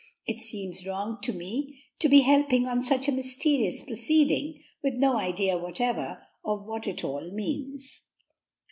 It seems wrong to me to be helping on such a mysterious proceeding, with no idea whatever of what it all means."